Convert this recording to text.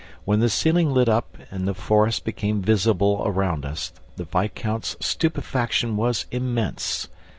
When the ceiling lit up and the forest became visible around us, the viscount's stupefaction was immense.